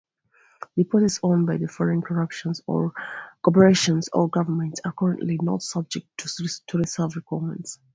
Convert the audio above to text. Deposits owned by foreign corporations or governments are currently not subject to reserve requirements.